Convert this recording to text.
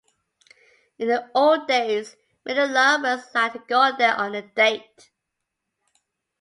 In the old days, many lovers liked to go there on a date.